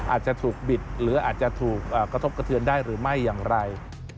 อาจจะถูกบิดหรืออาจจะถูกกระทบกระเทือนได้หรือไม่อย่างไร